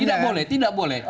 tidak boleh tidak boleh